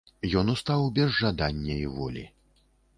Ён устаў без жадання і волі.